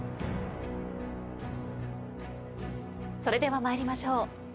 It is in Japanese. それでは参りましょう。